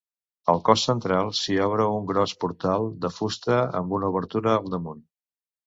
Al cos central s'hi obra un gros portal de fusta amb una obertura al damunt.